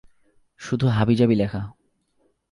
শুধু হাবিজাবি লেখা।